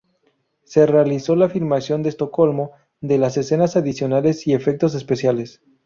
Se realizó la filmación en Estocolmo de las escenas adicionales y efectos especiales.